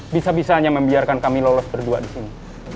bisa bisanya membiarkan kami lolos berdua di sini